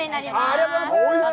ありがとうございます！